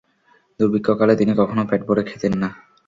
দুর্ভিক্ষকালে তিনি কখনও পেট ভরে খেতেন না।